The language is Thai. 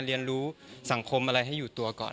เรียนรู้สังคมอะไรให้อยู่ตัวก่อน